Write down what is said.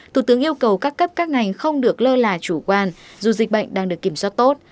thủ tướng yêu cầu các cấp các ngành không được lơ là chủ quan dù dịch bệnh đang được kiểm soát tốt